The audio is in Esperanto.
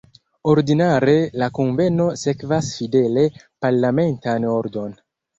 Ordinare la kunveno sekvas fidele parlamentan ordon.